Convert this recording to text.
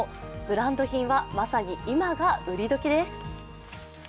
ブランド品はまさに今が売りどきです。